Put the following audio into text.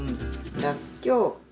らっきょう。